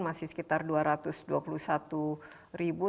masih sekitar dua ratus dua puluh satu ribu